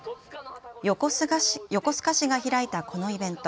横須賀市が開いたこのイベント。